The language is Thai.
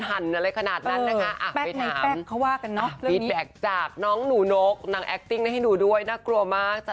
มันโดนรอดอะไรขนาดนั้นนะคะ